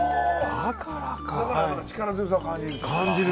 だから力強さを感じる。